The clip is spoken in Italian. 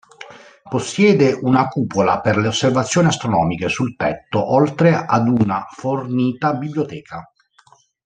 Possiede una cupola per le osservazioni astronomiche sul tetto oltre ad una fornita biblioteca.